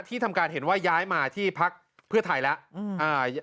ทำการเห็นว่าย้ายมาที่พักเพื่อไทยแล้ว